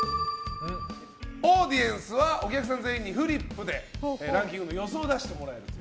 オーディエンスはお客さん全員にフリップでランキングの予想を出してもらえる。